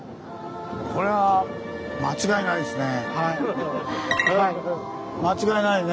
これは間違いないね。